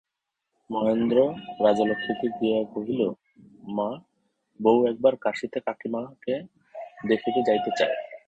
মহেন্দ্র রাজলক্ষ্মীকে গিয়া কহিল, মা, বউ একবার কাশীতে কাকীমাকে দেখিতে যাইতে চায়।